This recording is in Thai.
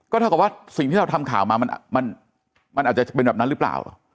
เท่ากับว่าสิ่งที่เราทำข่าวมามันอาจจะเป็นแบบนั้นหรือเปล่าเหรอ